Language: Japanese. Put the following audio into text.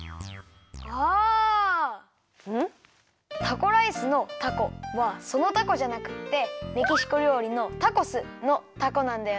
タコライスの「タコ」はそのタコじゃなくってメキシコりょうりのタコスの「タコ」なんだよね。